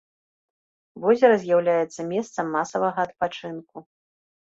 Возера з'яўляецца месцам масавага адпачынку.